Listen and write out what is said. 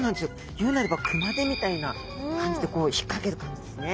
言うなれば熊手みたいな感じでこう引っかける感じですね。